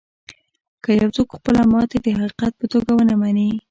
که يو څوک خپله ماتې د حقيقت په توګه و نه مني.